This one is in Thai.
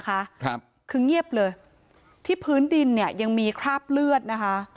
ครับคือเงียบเลยที่พื้นดินเนี่ยยังมีคราบเลือดนะคะ